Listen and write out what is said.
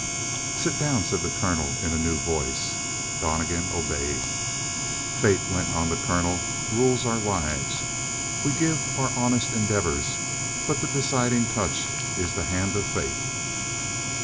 "Sit down," said the colonel in a new voice. Donnegan obeyed. "Fate," went on the colonel, "rules our lives. We give our honest endeavors, but the deciding touch is the hand of Fate."